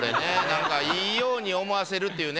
なんか良いように思わせるっていうね。